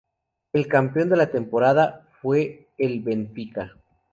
El campeón de la temporada fue el Benfica.